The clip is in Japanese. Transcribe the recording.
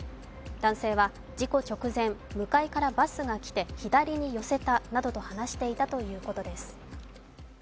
男性は事故直前、向かいからバスが来て左に寄せたなどと話していたということです。